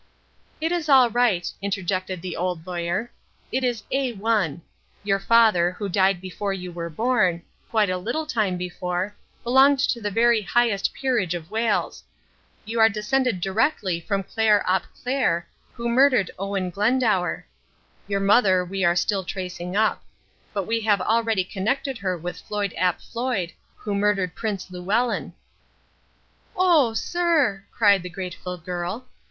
"It is all right," interjected the Old Lawyer. "It is A 1. Your father, who died before you were born, quite a little time before, belonged to the very highest peerage of Wales. You are descended directly from Claer ap Claer, who murdered Owen Glendower. Your mother we are still tracing up. But we have already connected her with Floyd ap Floyd, who murdered Prince Llewellyn." "Oh, sir," cried the grateful girl.